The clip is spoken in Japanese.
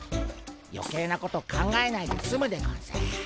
余計なこと考えないですむでゴンス。